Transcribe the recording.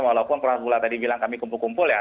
walaupun prof bulla tadi bilang kami kumpul kumpul ya